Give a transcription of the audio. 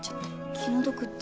気の毒って？